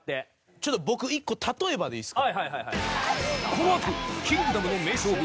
ちょっと僕一個例えばでいいですか？